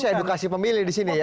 saya edukasi pemilih di sini ya